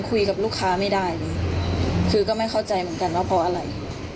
ก็ไม่เข้าใจเหมือนกันว่าเพราะอะไร